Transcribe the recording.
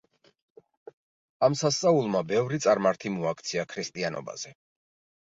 ამ სასწაულმა ბევრი წარმართი მოაქცია ქრისტიანობაზე.